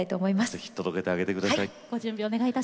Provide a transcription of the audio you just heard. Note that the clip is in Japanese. ぜひ届けてあげてください。